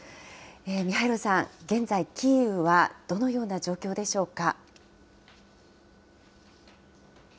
ミハイロさん、現在、キーウはどのような状況でしょうか。